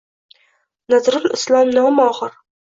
Nazrul Islom nomi oxir